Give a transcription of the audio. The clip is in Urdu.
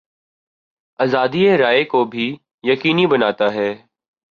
آزادیٔ رائے کو بھی یقینی بناتا ہے۔